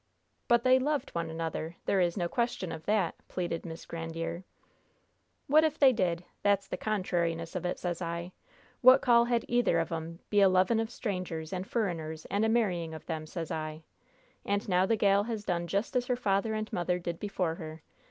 "But they loved one another; there is no question of that," pleaded Miss Grandiere. "What if they did? That's the contrariness of it, sez I! What call had either of 'em be 'a loving of strangers and furriners and a marrying of them, sez I? And now the gal has done just as her father and mother did before her!